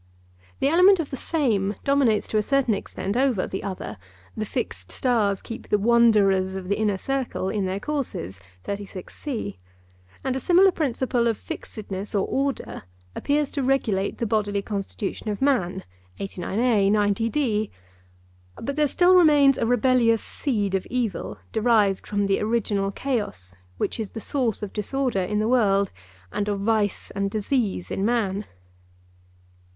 The element of the same dominates to a certain extent over the other—the fixed stars keep the 'wanderers' of the inner circle in their courses, and a similar principle of fixedness or order appears to regulate the bodily constitution of man. But there still remains a rebellious seed of evil derived from the original chaos, which is the source of disorder in the world, and of vice and disease in man.